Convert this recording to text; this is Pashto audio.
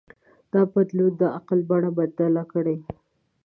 دا بدلون د عقل بڼه بدله کړه.